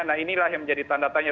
nah inilah yang menjadi tanda tanya